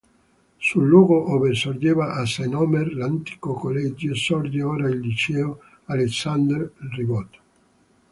Sul luogo ove sorgeva a Saint-Omer l'antico collegio, sorge ora il Liceo Alexandre Ribot.